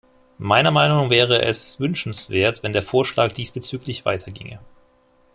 Meiner Meinung wäre es wünschenswert, wenn der Vorschlag diesbezüglich weiter ginge.